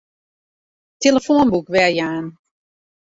Tillefoanboek werjaan.